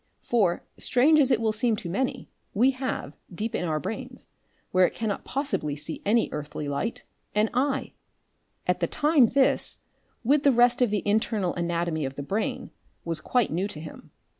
For, strange as it will seem to many, we have, deep in our brains where it cannot possibly see any earthly light an eye! At the time this, with the rest of the internal anatomy of the brain, was quite new to him.